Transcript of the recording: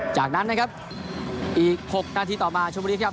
จากนั้นนะครับอีก๖นาทีต่อมาชมบุรีครับ